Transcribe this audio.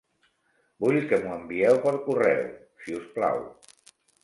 Vull que m'ho envieu per correu, si us plau.